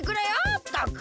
ったく！